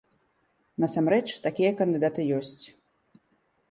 Насамрэч, такія кандыдаты ёсць.